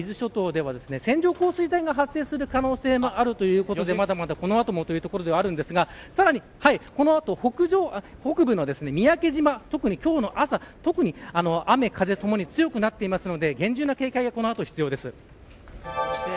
今日の午前中には伊豆諸島では線状降水帯が発生する可能性もあるということでまだまだこの後もということではありますがこの後北部の三宅島、特に今日の朝雨風ともに強くなっているので厳重な警戒が、この後必要です。